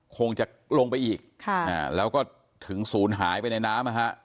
คงจะลงไปอีกแล้วก็ถึงศูนย์หายไปในน้ำนะฮะ